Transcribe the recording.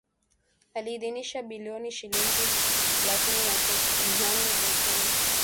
aliidhinisha shilingi bilioni thelathini na nne za Kenya